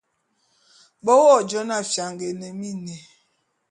Be wo jona fianga é ne miné.